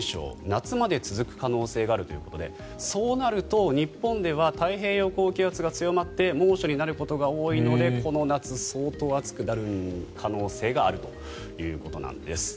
夏まで続く可能性があるということでそうなると日本では太平洋高気圧が強まって猛暑になることが多いのでこの夏、相当暑くなる可能性があるということなんです。